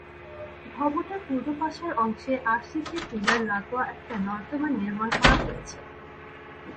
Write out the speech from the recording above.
ভবনের পূর্বপাশের অংশে RCC pillar লাাগোয়া একটি নর্দমা নির্মাণ করা হয়েছে।